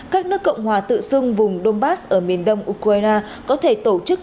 các nước cộng hòa tự xưng vùng đông bắc ở miền đông ukraine có thể tổ chức